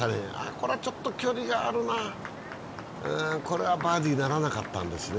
これはちょっと距離があるな、これはバーディーならなかったんですね。